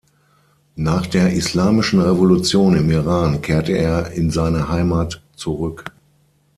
Nach der Islamischen Revolution im Iran kehrte er in seine Heimat zurück.